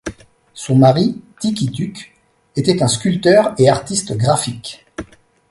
Son mari Tikituk était un sculpteur et artiste graphique.